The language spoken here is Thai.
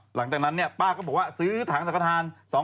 หลังจากป้าก็บอกว่าซื้อถังสงคราธรรณ